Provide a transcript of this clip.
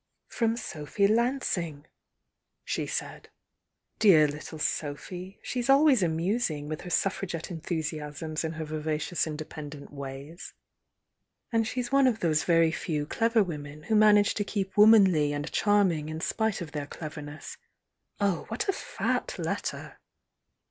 "From Sophy Lansing," she said. "Dear little Sophy! She's always amusing, with her Suffragette enthusiasms, and her vivacious independent ways! And she's one of those very few clever women who manage to keep womanly and charming in spite of their cleverness. Oh, what a fat letter!"